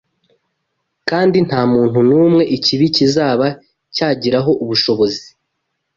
kandi nta muntu n’umwe ikibi kizaba cyagiraho ubushobozi